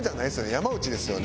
山内ですよね？